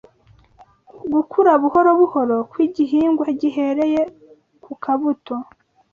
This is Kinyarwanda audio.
Gukura buhoro buhoro kw’igihingwa gihereye ku kabuto